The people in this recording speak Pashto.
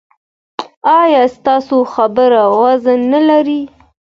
ایا ستاسو خبره وزن نلري؟